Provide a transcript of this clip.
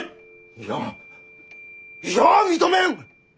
いやいや認めん！